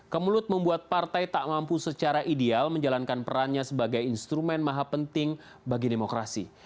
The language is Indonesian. kemelut membuat partai tak mampu secara ideal menjalankan perannya sebagai instrumen maha penting bagi demokrasi